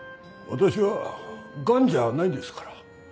私は癌じゃないんですから。